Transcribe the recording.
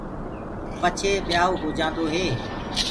پڇي ٻيآئوٚ هوجآندو هي۔